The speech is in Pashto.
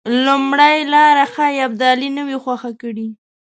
لومړۍ لاره ښایي ابدالي نه وای خوښه کړې.